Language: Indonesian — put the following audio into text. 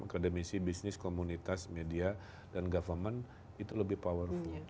akademisi bisnis komunitas media dan government itu lebih powerful